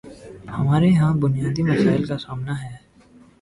ہمارے ہاں بنیادی مسائل کا سامنا ہے۔